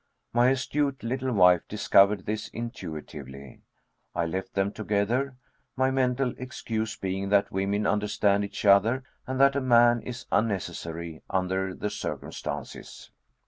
My astute little wife discovered this intuitively. I left them together, my mental excuse being that women understand each other and that a man is unnecessary, under the circumstances.